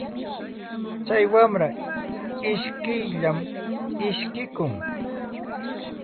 Tsay wamra ishkiyllam ishkikun.